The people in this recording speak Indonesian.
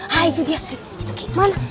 hah itu dia itu suki